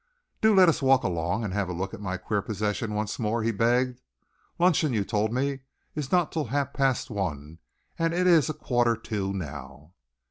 "Do let us walk along and have a look at my queer possession once more," he begged. "Luncheon, you told me, is not till half past one, and it is a quarter to now."